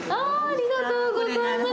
ありがとうございます。